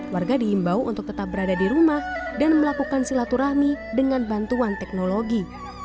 warga diimbau untuk tetap berada di rumah dan melakukan silaturahmi dengan bantuan teknologi